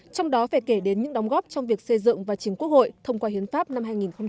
trong đó phải kể đến những đóng góp trong việc xây dựng và chính quốc hội thông qua hiến pháp năm hai nghìn một mươi ba